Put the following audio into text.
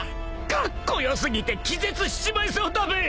［カッコ良すぎて気絶しちまいそうだべ！］